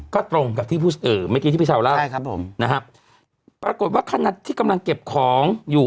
ก็ตรงกับเมื่อกี้ที่พี่ชาวเล่าปรากฏว่าขนาดที่กำลังเก็บของอยู่